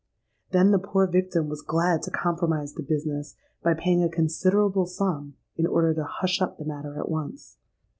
Then the poor victim was glad to compromise the business by paying a considerable sum, in order to hush up the matter at once.